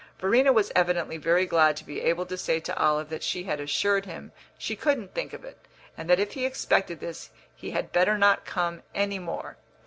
Verena was evidently very glad to be able to say to Olive that she had assured him she couldn't think of it, and that if he expected this he had better not come any more.